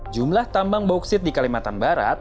jumlah tambang bauksit di kalimantan barat